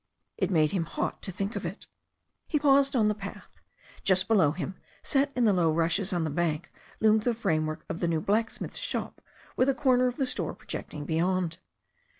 It made him hot to think of it. He paused on the path. Just below him, set in the low rushes on the bank, loomed the framework of the new blacksmith's shop, with a corner of the store projecting beyond.